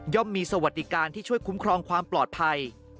มีสวัสดิการที่ช่วยคุ้มครองความปลอดภัย